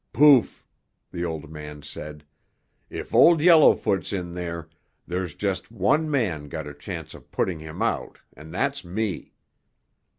"Poof!" the old man said. "If Old Yellowfoot's in there, there's just one man got a chance of putting him out and that's me.